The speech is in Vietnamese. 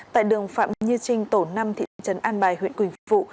tại đường phạm như trinh tổ năm thị trấn an bài huyện quỳnh phụ